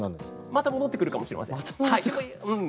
また戻ってくるかもしれません。